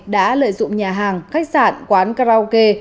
đã lợi dụng nhà hàng khách sạn quán karaoke